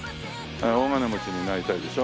大金持ちになりたいでしょ。